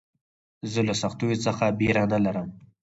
زه له سختیو څخه بېره نه لرم.